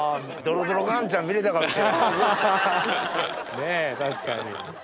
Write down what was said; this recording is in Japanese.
ねぇ確かに。